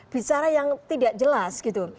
bicara yang tidak jelas gitu